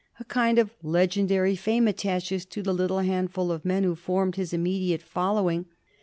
A kind of legendary fame attaches to the little handful of men who formed his immediate following.